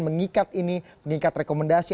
mengikat ini mengikat rekomendasi